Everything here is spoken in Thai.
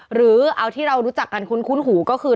หรือเอาที่เรารู้จักกันคุ้นหูก็คือ